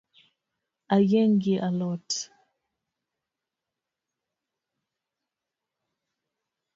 Ayieng’ gi a lot